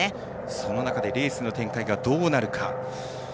その中でレースの展開がどうなるか。